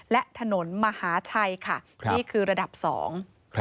และถนนมหาชัยนี่คือระดับสอง